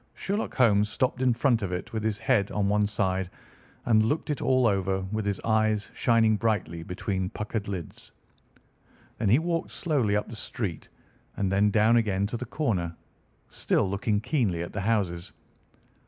Sherlock Holmes stopped in front of it with his head on one side and looked it all over, with his eyes shining brightly between puckered lids. Then he walked slowly up the street, and then down again to the corner, still looking keenly at the houses.